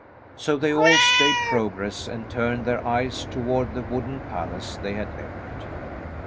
So they all stayed progress and turned their eyes toward the wooden palace they had left.